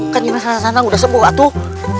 kan di sana sana udah sembuh